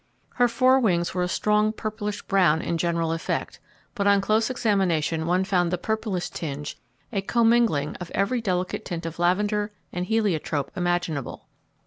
Her fore wings were a strong purplish brown in general effect, but on close examination one found the purplish tinge a commingling of every delicate tint of lavender and heliotrope imaginable.